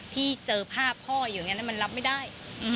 ที่เจอภาพพ่ออยู่อย่างนี้มันรับไม่ได้